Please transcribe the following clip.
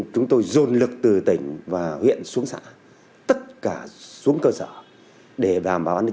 chúng tôi dồn lực từ tỉnh và huyện xuống xã tất cả xuống cơ sở để bán vận chuyển tự từ gốc